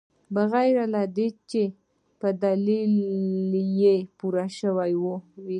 بغیر له دې چې په دلیل یې پوه شوو.